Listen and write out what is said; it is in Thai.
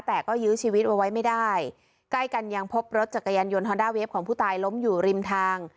แต่ก็ยื้อชีวิตเอาไว้ไม่ได้ใกล้กันยังพบรถจักรยานยนต์ฮอนด้าเวฟของผู้ตายล้มอยู่ริมทาง